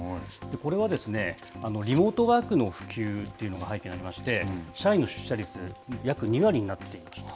これはリモートワークの普及というのが背景にありまして、社員の出社率、約２割になっていました。